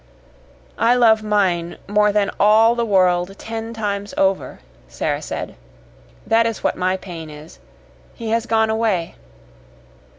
"I love mine more than all the world ten times over," Sara said. "That is what my pain is. He has gone away."